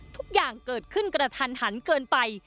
ทุกอย่างเกิดขึ้นกระทันหันเกินไป